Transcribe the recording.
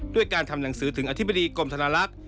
ด้วยการทำหนังสือถึงอธิบดีกรมธนาลักษณ์